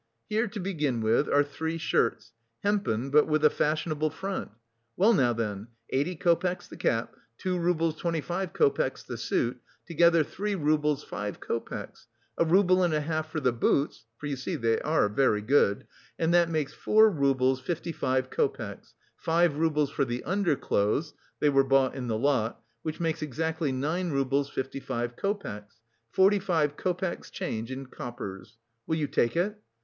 Here, to begin with are three shirts, hempen but with a fashionable front.... Well now then, eighty copecks the cap, two roubles twenty five copecks the suit together three roubles five copecks a rouble and a half for the boots for, you see, they are very good and that makes four roubles fifty five copecks; five roubles for the underclothes they were bought in the lot which makes exactly nine roubles fifty five copecks. Forty five copecks change in coppers. Will you take it?